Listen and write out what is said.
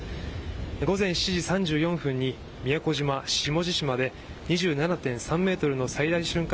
午前７時３４分に宮古島下地島で２７．３メートルの最大瞬間